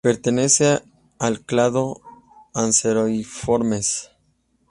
Pertenece al clado Anseriformes.